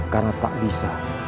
karena tak bisa